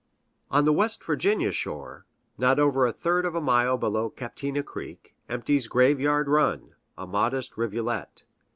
On the West Virginia shore, not over a third of a mile below Captina Creek, empties Grave Yard Run, a modest rivulet.